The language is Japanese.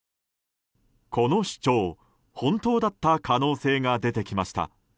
この主張、本当だった可能性が出てきました。